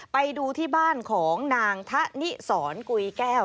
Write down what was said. ไปดูที่บ้านของนางทะนิสรกุยแก้ว